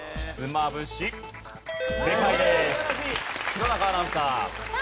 弘中アナウンサー。